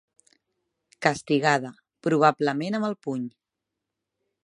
Castigada, probablement amb el puny.